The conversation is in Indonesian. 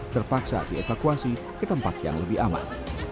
terpaksa dievakuasi ke tempat yang lebih aman